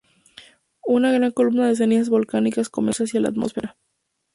Una gran columna de cenizas volcánicas comenzó a elevarse hacia la atmósfera.